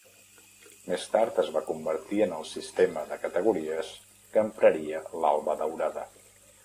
Més tard es va convertir en el sistema de categories que empraria l'Alba Daurada.